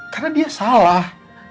karena dia salah